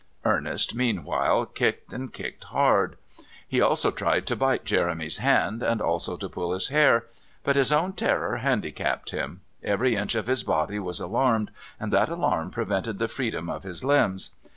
Ernest meanwhile kicked and kicked hard; he also tried to bite Jeremy's hand and also to pull his hair. But his own terror handicapped him; every inch of his body was alarmed, and that alarm prevented the freedom of his limbs.